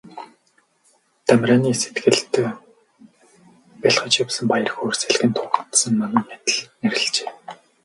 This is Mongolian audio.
Дамираны сэтгэлд бялхаж явсан баяр хөөр салхинд туугдсан манан адил арилжээ.